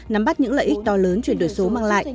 nắm bắt những lợi ích to lớn chuyển đổi số mang lại